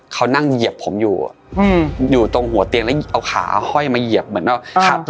เขานั่งเหยียบผมอยู่อยู่ตรงหัวเตียงแล้วเอาขาห้อยมาเหยียบเหมือนว่า